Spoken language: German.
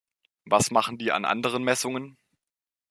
Was machen die an anderen Messungen?